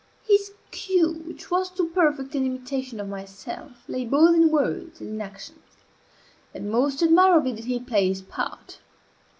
His cue, which was to perfect an imitation of myself, lay both in words and in actions; and most admirably did he play his part.